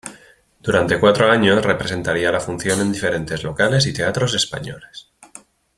Durante cuatro años representaría la función en diferentes locales y teatros españoles.